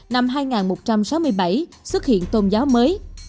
năm hai nghìn một trăm sáu mươi bảy xuất hiện tôn giáo mới